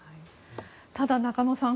ただ、中野さん。